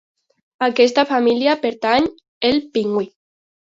A aquesta família pertany el pingüí.